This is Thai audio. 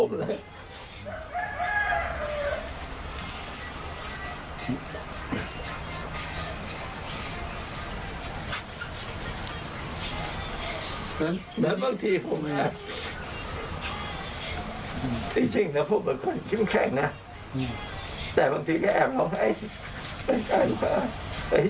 ชีวิตเราทำไมเป็นอย่างนี้